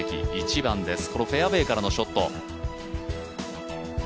１番です、フェアウエーからのショット。